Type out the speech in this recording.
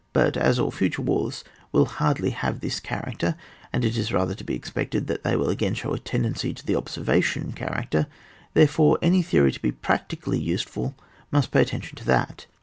But as all future wars will hardly have this character, and it is rather to be expected that they will again show a tendency to the observation character, therefore any theory to be practically useful must pay attention to that.